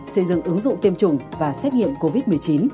xây dựng ứng dụng tiêm chủng và xét nghiệm covid một mươi chín